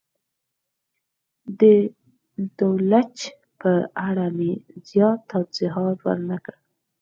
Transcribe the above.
د دولچ په اړه مې زیات توضیحات ور نه کړل.